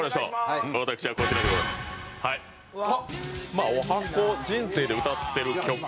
まあ十八番・人生で歌ってる曲